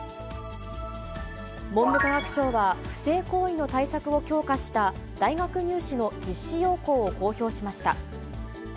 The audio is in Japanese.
文部科学省は、不正行為の対策を強化した大学入試の実施要項を公表しました。